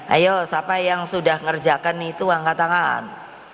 ayo siapa yang sudah ngerjakan itu angkat tangan